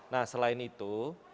nah selain itu